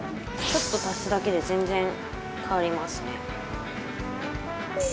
ちょっと足すだけで全然変わりますね。